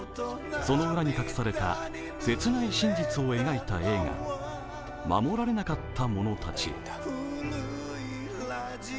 その裏に隠された切ない真実を描いた映画、「護られなかった者たちへ」。